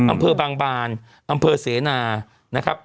อำเภอบางบานอำเภอเสนา